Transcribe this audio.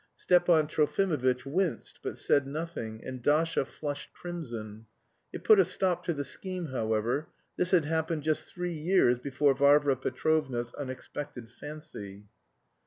Stepan Trofimovitch winced, but said nothing, and Dasha flushed crimson. It put a stop to the scheme, however. This had happened just three years before Varvara Petrovna's unexpected fancy.